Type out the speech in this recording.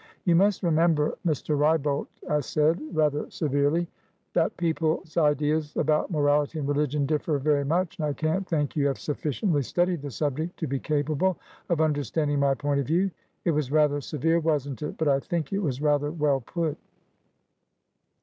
'You must remember, Mr. Wrybolt,' I said, rather severely, 'that people's ideas about morality and religion differ very much, and I can't think you have sufficiently studied the subject to be capable of understanding my point of view'It was rather severe, wasn't it? But I think it was rather well put."